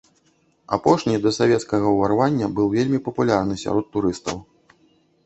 Апошні да савецкага ўварвання быў вельмі папулярны сярод турыстаў.